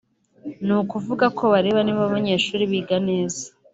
ni ukuvuga ko bareba niba abanyeshuri biga neza